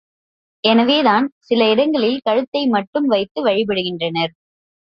எனவேதான், சில இடங்களில் கழுத்தை மட்டும் வைத்து வழிபடுகின்றனர்.